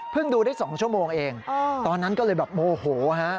ดูได้๒ชั่วโมงเองตอนนั้นก็เลยแบบโมโหฮะ